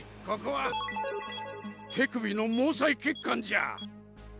ここは手首の毛細血管じゃ。